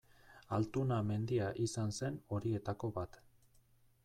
Altuna mendia izan zen horietako bat.